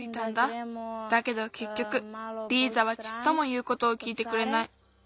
だけどけっきょくリーザはちっともいうことをきいてくれない。